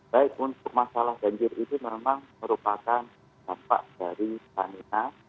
baik masalah banjir ini memang merupakan dampak dari tanina